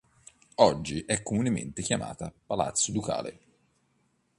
Oggi è comunemente chiamata Palazzo Ducale.